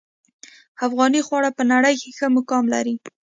افغاني خواړه په نړۍ ښه مقام لري